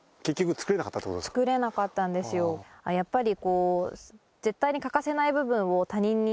やっぱり。